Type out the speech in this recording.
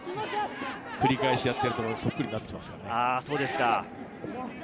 繰り返しやっていると、そっくりになってきます。